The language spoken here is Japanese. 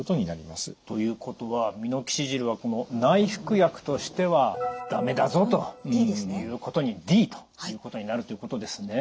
ということはミノキシジルは内服薬としては駄目だぞということにＤということになるということですね。